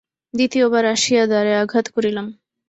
দ্বিতীয়বার আসিয়া দ্বারে আঘাত করিলাম।